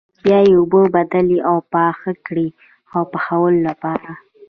بیا یې اوبه بدلې او پاخه کړئ د پخولو لپاره.